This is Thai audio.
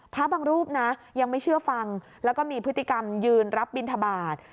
พระบางรูปนะยังไม่เชื่อฟังแล้วก็มีพฤติกรรมยืนรับบินทบาท